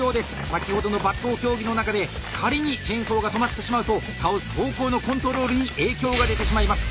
先ほどの伐倒競技の中で仮にチェーンソーが止まってしまうと倒す方向のコントロールに影響が出てしまいます。